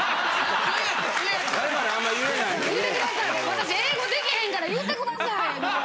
私英語できへんから言うてください。